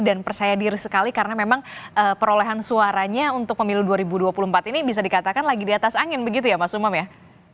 dan percaya diri sekali karena memang perolehan suaranya untuk pemilu dua ribu dua puluh empat ini bisa dikatakan lagi di atas angin begitu ya mas umam ya